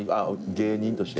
芸人として？